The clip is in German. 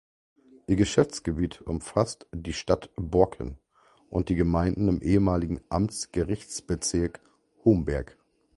Ihr Geschäftsgebiet umfasst die Stadt Borken und die Gemeinden im ehemaligen Amtsgerichtsbezirk Homberg.